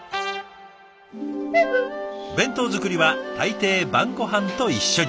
弁当作りは大抵晩ごはんと一緒に。